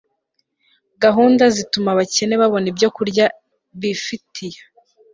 gahunda zituma abakene babona ibyokurya bifitiya